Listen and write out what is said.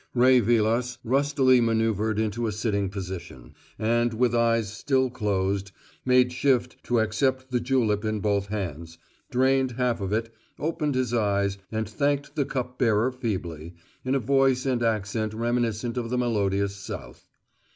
Ray Vilas rustily manoeuvred into a sitting position; and, with eyes still closed, made shift to accept the julep in both hands, drained half of it, opened his eyes, and thanked the cup bearer feebly, in a voice and accent reminiscent of the melodious South.